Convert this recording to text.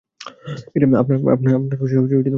আপনার লজ্জা হওয়া উচিৎ।